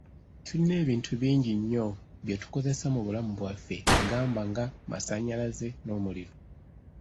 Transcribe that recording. Tulina ebintu bingi nnyo bye tukozesa mu bulamu bwaffe gamba nga; masannyalaze n’omuliro.